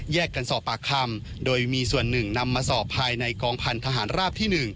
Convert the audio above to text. กันสอบปากคำโดยมีส่วนหนึ่งนำมาสอบภายในกองพันธหารราบที่๑